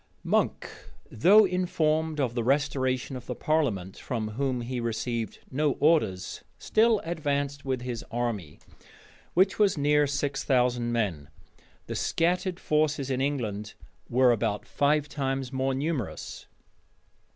Monk, though informed of the restoration of the parliament, from whom he received no orders, still advanced with his army, which was near six thousand men: the scattered forces in England were above five times more numerous.